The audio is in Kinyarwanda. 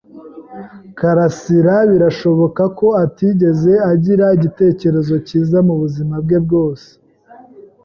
Karasirabirashoboka ko atigeze agira igitekerezo cyiza mubuzima bwe bwose.